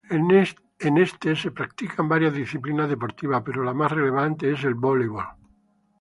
En este, se practican varias disciplinas deportivas pero la más relevante es el Voleibol.